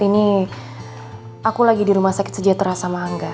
ini aku lagi di rumah sakit sejahtera sama angga